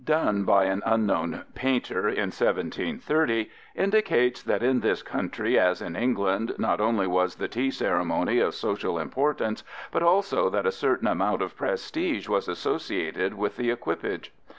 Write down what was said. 2), done by an unknown painter in 1730, indicates that in this country as in England not only was the tea ceremony of social importance but also that a certain amount of prestige was associated with the equipage.